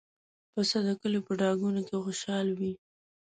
پسه د کلیو په ډاګونو کې خوشحال وي.